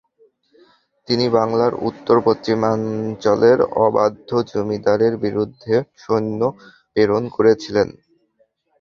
তিনি বাংলার উত্তর পশ্চিমাঞ্চলের অবাধ্য জমিদারদের বিরুদ্ধেও সৈন্য প্রেরণ করেছিলেন।